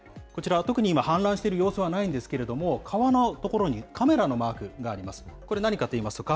こちら、特に今は氾濫している様子はないんですけれども、川の所にカメラのマークがあります。